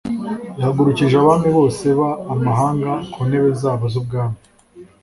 i Hahagurukije abami bose b amahanga ku ntebe zabo z ubwami